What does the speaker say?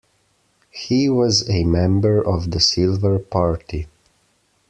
He was a member of the Silver Party.